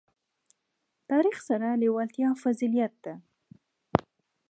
تاریخ سره لېوالتیا فضیلت ده.